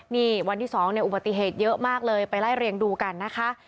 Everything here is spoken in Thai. นี่วันที่๒เนี่ยอุบัติเหตุเยอะมากเลยไปไล่เรียงดูกันนะคะ